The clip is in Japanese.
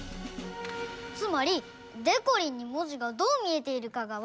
つまりでこりんに文字がどう見えているかがわかるってこと？